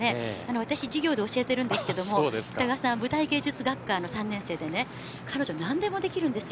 私、授業で教えてるんですが北川さんは舞台芸術学科の３年生彼女は何でもできるんですよ。